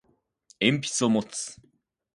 鉛筆を持つ